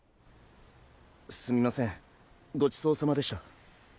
すみませんごちそうさまでした。